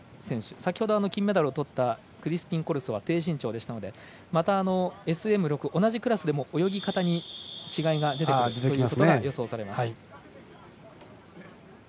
先ほど、金メダルをとったクリスピンコルソは低身長でしたのでまた、ＳＭ６同じクラスでも泳ぎ方に違いが出てくることも予想されます。